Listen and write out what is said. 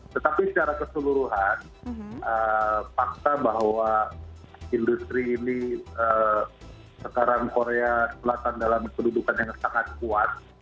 tetapi secara keseluruhan fakta bahwa industri ini sekarang korea selatan dalam kedudukan yang sangat kuat